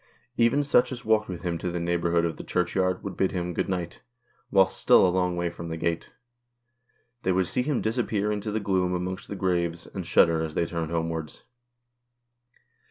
Even such as walked with him to the neighbourhood of the Churchyard would bid him " Good night " whilst still a long way from the gate. They would see him disappear into the gloom amongst the graves, and shudder as they turned homewards.